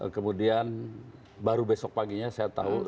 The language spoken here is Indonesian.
kemudian baru besok paginya saya tahu